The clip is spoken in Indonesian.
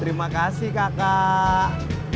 terima kasih kakak